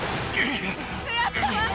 やったわ。